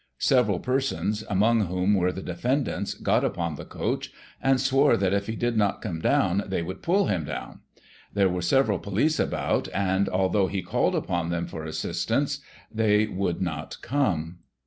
Several persons, amongst whom were the defendcints, got upon the coach, and swore that if he did not come down, they would pull him down. There were several police about, and, although he called upon them for assistance, they would not come.